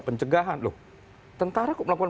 pencegahan tentara kok melakukan